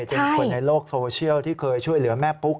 เป็นคนในโลกโซเชียลที่เคยช่วยเหลือแม่ปุ๊ก